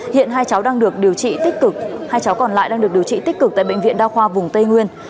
hiện hai cháu còn lại đang được điều trị tích cực tại bệnh viện đa khoa vùng tây nguyên